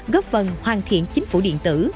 góp phần hoàn thiện chính phủ điện tử